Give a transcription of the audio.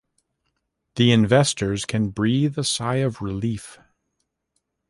The investors can breathe a sigh of relief.